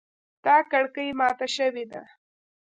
دا کړکۍ ماته شوې ده